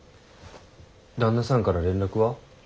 旦那さんから連絡は？